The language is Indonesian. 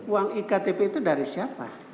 uang iktp itu dari siapa